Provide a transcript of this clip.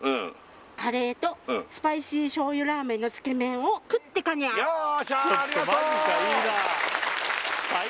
「カレーとスパイシーしょうゆラーメンのつけめんを食ってかにゃー！」